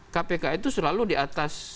kpk itu selalu diatas